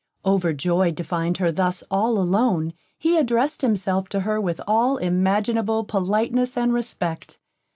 Overjoyed to find her thus all alone, he addressed himself to her with all imaginable politeness and respect.